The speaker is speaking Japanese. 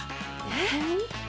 えっ